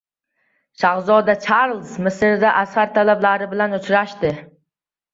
Shahzoda Charlz Misrda Azhar talabalari bilan uchrashdi